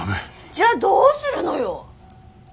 じゃあどうするのよ！